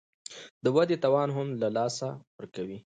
د ودې توان هم له لاسه ورکوي